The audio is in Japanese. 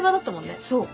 そう。